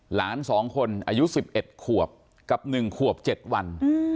หลาน๒คนอายุ๑๑ขวบกับ๑ขวบ๗วัน